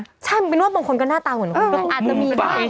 คิดใช่มันรู้ว่าบางคนก็หน้าตาเหมือนคนไทย